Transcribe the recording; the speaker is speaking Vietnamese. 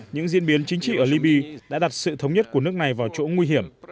những diễn biến chính trị ở libya đã đặt sự thống nhất của nước này vào chỗ nguy hiểm